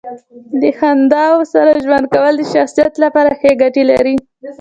د خنداوو سره ژوند کول د شخصیت لپاره ښې ګټې لري.